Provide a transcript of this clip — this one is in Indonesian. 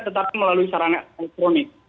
tetapi melalui sarana elektronik